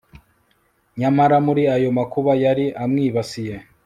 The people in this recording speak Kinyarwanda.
nyamara muri ayo makuba yari amwibasiye